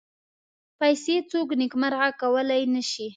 پیسې څوک نېکمرغه کولای نه شي.